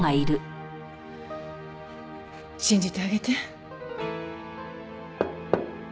信じてあげて。